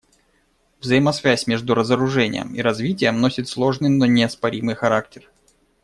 Взаимосвязь между разоружением и развитием носит сложный, но неоспоримый характер.